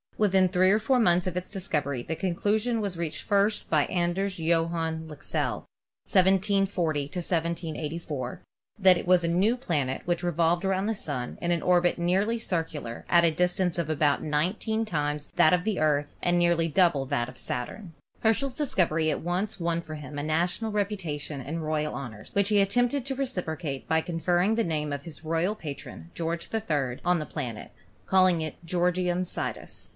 Within three or four months of its discovery the conclusion was reached first by Anders Johann Lexell URANUS AND NEPTUNE 211 (1740 1784) that it was a new planet which revolved around the Sun in an orbit nearly circular at a distance of about nineteen times that of the Earth and nearly double that of Saturn. Herschel's discovery at once won for him a national reputation and royal honors, which he attempted to re ciprocate by conferring the name of his royal patron, George III., on the new planet, calling it Georgium Sidus.